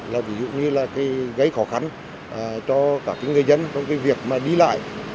là ví dụ như là gây khó khăn cho cả người dân trong việc đi lại